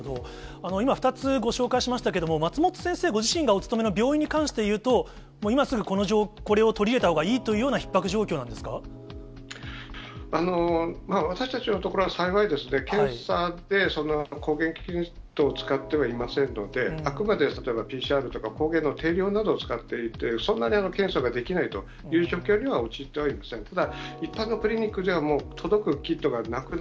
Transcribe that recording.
今２つご紹介しましたけれども、松本先生ご自身がお勤めの病院に関していうと、今すぐこれを取り入れたほうがいいというようなひっ迫状況なんで私たちのところは、幸い検査で抗原キットを使ってはいませんので、あくまで、例えば、ＰＣＲとか抗原のていりょうなどを使っていて、そんなに検査ができないという状況には陥ってはいません。